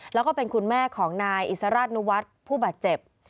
แล้วก็เป็นคุณแม่ของนายอิสราชนุวัฒน์ผู้บาดเจ็บ